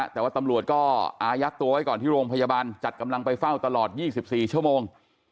แต่ว่าตำรวจก็อายัดตัวไว้ก่อนที่โรงพยาบาลจัดกำลังไปเฝ้าตลอด๒๔ชั่วโมง